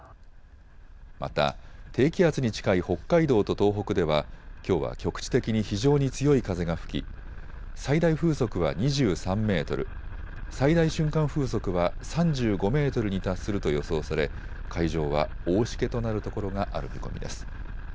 また、低気圧に近い北海道と東北ではきょうは局地的に非常に強い風が吹き最大風速は２３メートル、最大瞬間風速は３５メートルに達すると予想され海上は大しけとなるところがある見込みです。